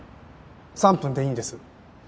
３分でいいんです。